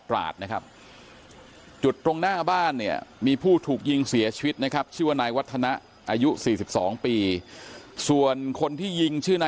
ราชนะครับจุดตรงหน้าบ้านเนี่ยมีผู้ถูกยิงเสียชีวิตนะครับชื่อว่านายวัฒนะอายุ๔๒ปีส่วนคนที่ยิงชื่อนาย